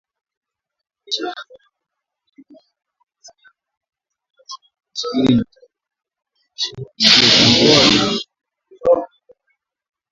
Wanajeshi wa Tanzania wakitumia roketi dhidi ya waasi hao wa Machi ishirini na tatu na kuwalazimu kukimbia kambi zao na kuingia Uganda na Rwanda